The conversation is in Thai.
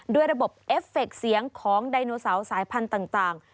ด้วยระบบเอฟเฟคเสียงของไดโนเสาร์สายพันธุ์ต่าง